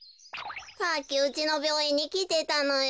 さっきうちのびょういんにきてたのよ。